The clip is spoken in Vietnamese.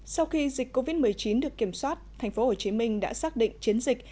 sau khi dịch covid một mươi chín được kiểm soát thành phố hồ chí minh đã xác định chiến dịch